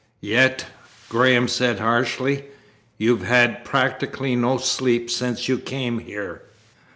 "Yet," Graham said harshly, "you have had practically no sleep since you came here."